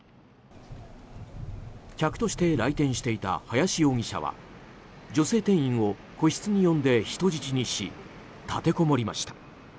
客として来店していた林容疑者は女性店員を個室に呼んで人質にし立てこもりました。